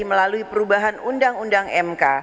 melalui perubahan undang undang mk